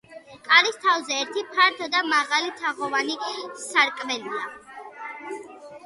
კარის თავზე ერთი ფართო და მაღალი თაღოვანი სარკმელია.